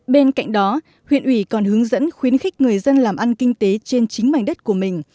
bên cạnh đó huyện ủy còn hướng dẫn khuyến khích người dân làm ăn kinh tế trên chính mảnh đất của mình